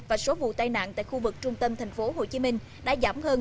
và số vụ tai nạn tại khu vực trung tâm tp hcm đã giảm hơn